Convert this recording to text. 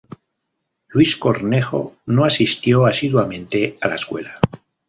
Luis Cornejo no asistió asiduamente a la escuela.